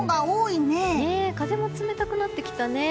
風も冷たくなってきたね。